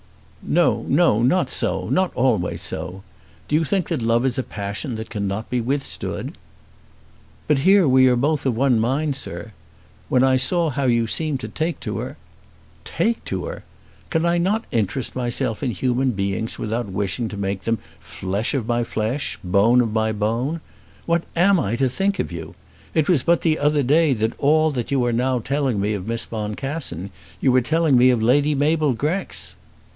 "No; no; not so; not always so. Do you think that love is a passion that cannot be withstood?" "But here we are both of one mind, sir. When I saw how you seemed to take to her " "Take to her! Can I not interest myself in human beings without wishing to make them flesh of my flesh, bone of my bone? What am I to think of you? It was but the other day that all that you are now telling me of Miss Boncassen, you were telling me of Lady Mabel Grex."